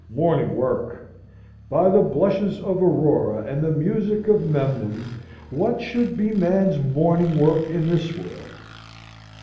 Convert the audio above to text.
Morning work! By the blushes of Aurora and the music of Memnon, what should be man's morning work in this world?